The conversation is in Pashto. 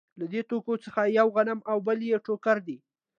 له دې توکو څخه یو غنم او بل یې ټوکر دی